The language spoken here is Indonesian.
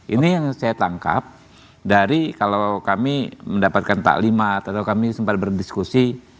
ini yang saya tangkap dari kalau kami mendapatkan taklimat atau kami sempat berdiskusi